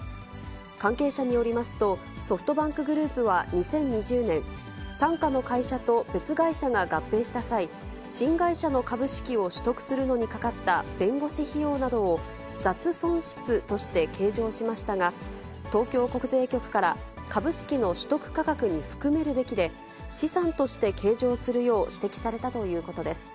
関係者によりますと、ソフトバンクグループは２０２０年、傘下の会社と別会社が合併した際、新会社の株式を取得するのにかかった弁護士費用などを、雑損失として計上しましたが、東京国税局から株式の取得価格に含めるべきで、資産として計上するよう指摘されたということです。